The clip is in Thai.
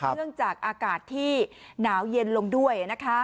เนื่องจากอากาศที่หนาวเย็นลงด้วยนะคะ